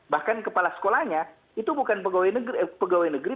bahkan kepala sekolahnya itu bukan pegawai negeri